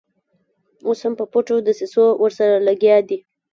اوس هم په پټو دسیسو ورسره لګیا دي.